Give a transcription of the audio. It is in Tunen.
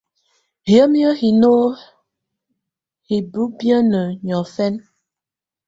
Hiǝ́mi hino hi ubibiǝ́nǝ niɔ̀fɛ̀na.